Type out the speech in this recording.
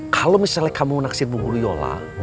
kalau misalnya kamu naksir buku ruyola